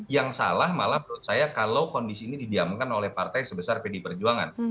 yang salah malah menurut saya kalau kondisi ini didiamkan oleh partai sebesar pd perjuangan